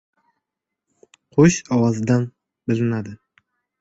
• Qush ovozidan bilinadi.